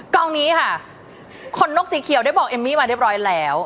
กองนี้ค่ะคนนกสีเขียวได้บอกเอมมี่มาเรียบร้อยแล้ว